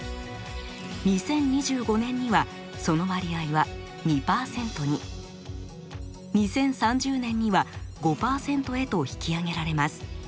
２０２５年にはその割合は２％に２０３０年には５％へと引き上げられます。